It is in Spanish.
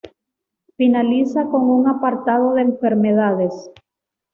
Finaliza con un apartado de enfermedades.